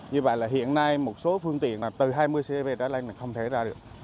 như vậy là hiện nay một số phương tiện từ hai mươi cv trở lên là không thể ra được